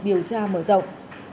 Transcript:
điều tra mở rộng